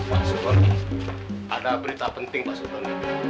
pak sultoni ada berita penting pak sultoni